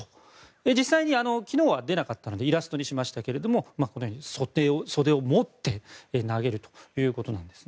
実際に昨日は出なかったのでイラストにしましたけどこのように袖を持って投げるということなんです。